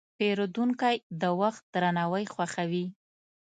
پیرودونکی د وخت درناوی خوښوي.